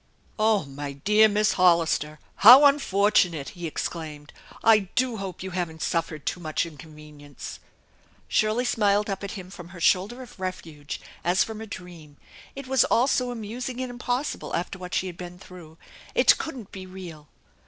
" Oh, my dear Miss Hollister ! How unfortunate !" he exclaimed. "I do hope you haven't suffered too much inconvenience !" Shirley smiled up at him from her shoulder of refuge as 284 THE ENCHANTED BARN from a dream. It was all so amusing and impossible after what she had been through. It couldn't be real.